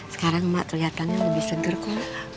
sekarang mak kelihatannya lebih seger kok